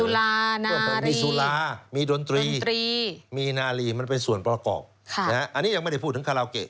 มีสุรามีดนตรีมีนาลีมันเป็นส่วนประกอบอันนี้ยังไม่ได้พูดถึงคาราเกะ